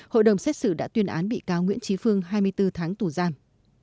hội đồng xét xử đã tuyên án bị cáo nguyễn trí phương hai mươi bốn tháng tù giam